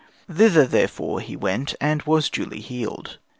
Thither, therefore, he went, and was duly healed.